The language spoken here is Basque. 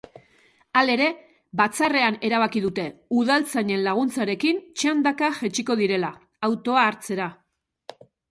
Halere, batzarrean erabaki dute udaltzainen laguntzarekin txandaka jaitsiko direla, autoa hartzera.